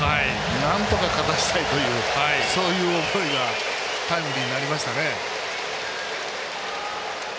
なんとか、勝たせたいというそういう思いがタイムリーになりましたね。